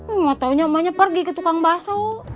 emak taunya emaknya pergi ke tukang basok